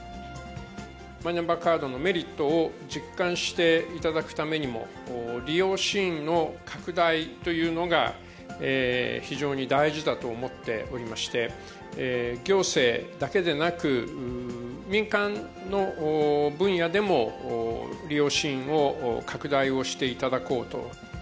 マイナンバーカードのメリットを実感していただくためにも、利用シーンの拡大というのが、非常に大事だと思っておりまして、行政だけでなく、民間の分野でも、利用シーンを拡大をしていただこうと。